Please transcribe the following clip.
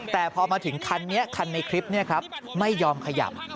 แต่พอมาถึงคันนี้คันในคลิปนี้ครับไม่ยอมขยับ